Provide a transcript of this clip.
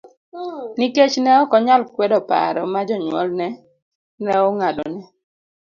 Nikech ne ok onyal kwedo paro ma jonyuolne ne ong'adone